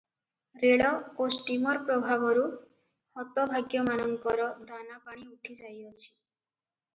ରେଳ ଓ ଷ୍ଟୀମର ପ୍ରଭାବରୁ ହତଭାଗ୍ୟମାନଙ୍କର ଦାନା ପାଣି ଉଠି ଯାଇଅଛି ।